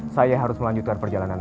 saya harus melanjutkan perjalanan